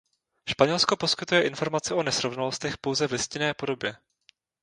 Španělsko poskytuje informace o nesrovnalostech pouze v listinné podobě.